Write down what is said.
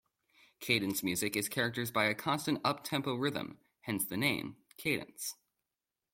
Cadence music is characterized by a constant up tempo rhythm, hence the name cadence.